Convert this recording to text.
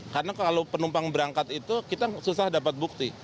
karena kalau penumpang berangkat itu kita susah dapat bukti